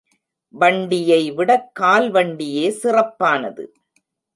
வண்டியைவிடக் கால் வண்டியே சிறப்பானது.